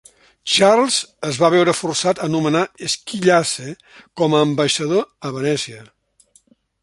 Charles es va veure forçat a nomenar Squillace com a ambaixador a Venècia.